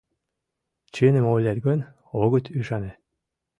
Чыным ойлет гын, огыт ӱшане.